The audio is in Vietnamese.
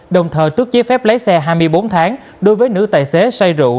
đồng thời tước giấy phép lái xe hai mươi bốn tháng đối với nữ tài xế say rượu